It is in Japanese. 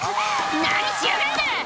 何しやがんだ！」